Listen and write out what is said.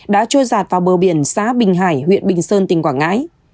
đã trôi giặt vào bờ biển xá bình hải huyện bình sơn tỉnh quảng ngãi